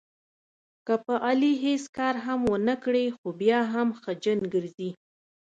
که په علي هېڅ کار هم ونه کړې، خو بیا هم خچن ګرځي.